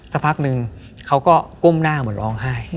สักพักนึงเขาก็ก้มหน้าเหมือนร้องไห้